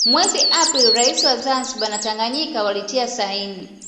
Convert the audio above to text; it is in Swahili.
Mwezi Aprili rais wa Zanzibar na Tanganyika walitia saini